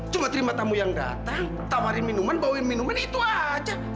cuma terima tamu yang datang tawarin minuman bawain minuman itu aja